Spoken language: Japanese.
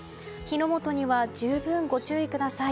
火の元には十分ご注意ください。